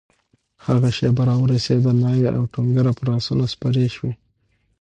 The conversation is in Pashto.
هغه شېبه راورسېده؛ ناوې او ټونګره پر آسونو سپرې شوې